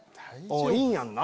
いいんやんな？